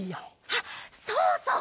あっそうそう！